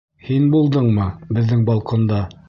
Һин булдыңмы беҙҙең балконда?